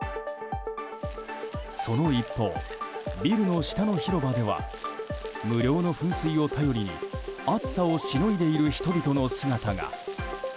その一方、ビルの下の広場では無料の噴水を頼りに暑さをしのいでいる人々の姿が。